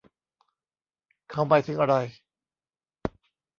เขาหมายถึงอะไร